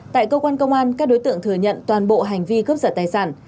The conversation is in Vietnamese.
tại cơ quan công an các đối tượng thừa nhận toàn bộ hành vi cướp giật tài sản